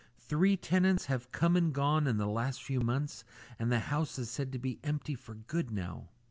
Three tenants have come and gone in the last few months, and the house is said to be empty for good now."